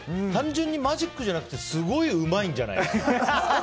単純にマジックじゃなくてすごいうまいんじゃない？